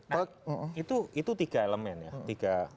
nah itu tiga elemen ya